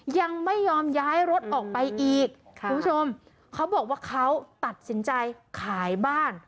ยังไม่ยอมย้ายรถออกไปอีกค่ะคุณผู้ชมเขาบอกว่าเขาตัดสินใจขายบ้าน